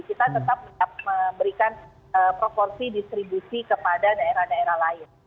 kita tetap memberikan proporsi distribusi kepada daerah daerah lain